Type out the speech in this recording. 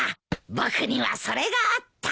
僕にはそれがあった！